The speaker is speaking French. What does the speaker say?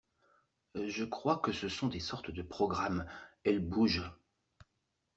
Je crois que ce sont des sortes de programmes. Elles bougent.